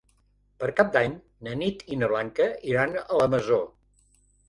Per Cap d'Any na Nit i na Blanca iran a la Masó.